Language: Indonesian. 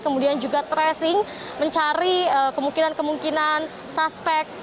kemudian juga tracing mencari kemungkinan kemungkinan suspek